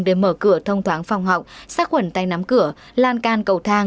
để mở cửa thông thoáng phòng học xác quẩn tay nắm cửa lan can cầu thang